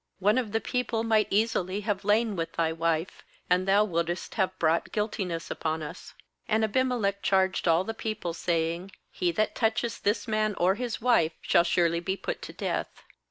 one of the people might easily have lain with thy wife, and thou wouldest have brought guiltiness upon us.' llAnd Abimelech charged all the people, saying: 'He that toucheth tMs man or Ms wife shall surely be put to death.'